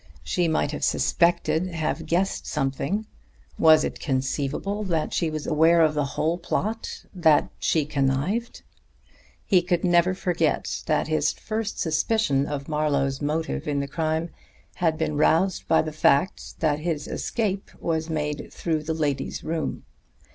She might have suspected, have guessed something; was it conceivable that she was aware of the whole plot, that she connived? He could never forget that his first suspicion of Marlowe's motive in the crime had been roused by the fact that his escape was made through the lady's room.